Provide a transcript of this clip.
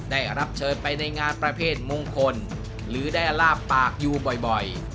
ได้รับเชิญไปในงานประเภทมงคลหรือได้ลาบปากอยู่บ่อย